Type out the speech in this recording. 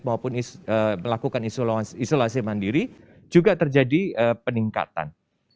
maupun melakukan isolasi mandiri juga terjadi peningkatan